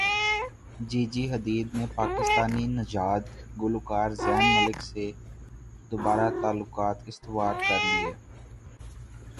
جی جی Hadid نے پاکستانی نژاد گلوکار زین ملک سے دوبارہ تعلقات استوار کرلیے